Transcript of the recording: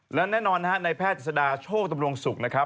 และแน่นอนในแพทย์สดาโชคตำรวงศุกร์นะครับ